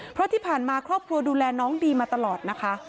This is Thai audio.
เพราะที่ผ่านมาครอบครัวดูแลน้องดีมาตลอดนะคะ